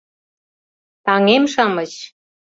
— Таҥем-шамыч!